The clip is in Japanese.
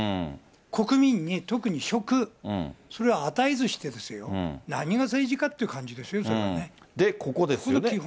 国民に、特に食、それは与えずしてですよ、何が政治家っていう感じですよ、それはねこれが基本。